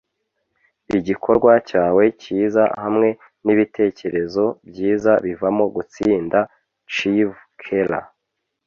igikorwa cyawe cyiza hamwe nibitekerezo byiza bivamo gutsinda. - shiv khera